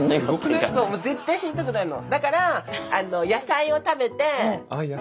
絶対死にたくないの。